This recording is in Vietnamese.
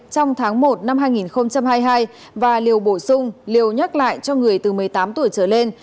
trong tháng một năm hai nghìn hai mươi hai và liều bổ sung liều nhắc lại cho người từ một mươi tám tuổi trở lên